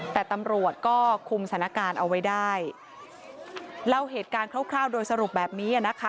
แต่ตำรวจก็คุมสถานการณ์เอาไว้ได้เล่าเหตุการณ์คร่าวคร่าวโดยสรุปแบบนี้อ่ะนะคะ